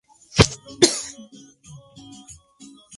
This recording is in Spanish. El edificio de la sinagoga, fue diseñado por el arquitecto Jac.